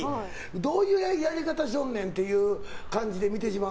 どういうやり方しとんねんっていう感じで見てしまう。